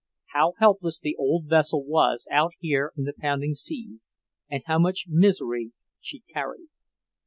How helpless the old vessel was out here in the pounding seas, and how much misery she carried!